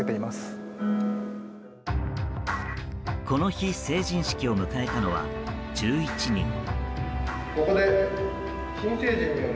この日、成人式を迎えたのは１１人。